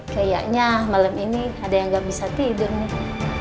kayaknya malem ini ada yang gak bisa tidur nih